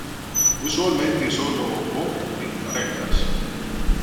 Usualmente sólo o en parejas.